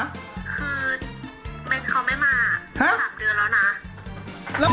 คือเม็ดเขาไม่มาหลับเดือนแล้วนะ